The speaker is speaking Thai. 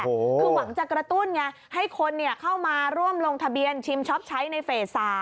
คือหวังจะกระตุ้นไงให้คนเข้ามาร่วมลงทะเบียนชิมช็อปใช้ในเฟส๓